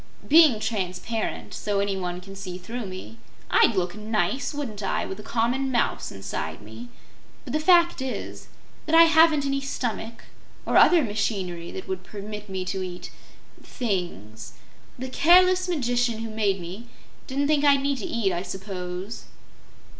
Being transparent, so anyone can see through me, I'd look nice, wouldn't I, with a common mouse inside me? But the fact is that I haven't any stomach or other machinery that would permit me to eat things. The careless magician who made me didn't think I'd need to eat, I suppose."